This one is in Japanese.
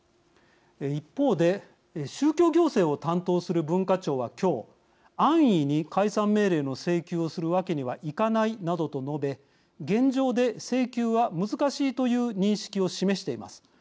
一方で、宗教行政を担当する文化庁は今日安易に解散命令の請求をするわけにはいかないなどと述べ現状で請求は難しいという認識を示しています。